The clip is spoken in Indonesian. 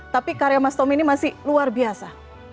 tapi karya mas tommy ini masih luar biasa